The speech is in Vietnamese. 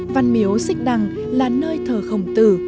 văn miếu xích đằng là nơi thờ khổng tử